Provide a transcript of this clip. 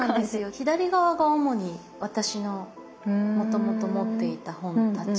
左側が主に私のもともと持っていた本たち。